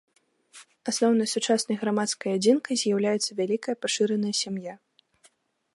Асноўнай сучаснай грамадскай адзінкай з'яўляецца вялікая пашыраная сям'я.